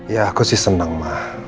ya aku sih seneng mah